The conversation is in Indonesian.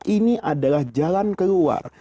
ini adalah jalan keluar